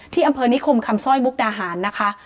อำเภอนิคมคำสร้อยมุกดาหารนะคะ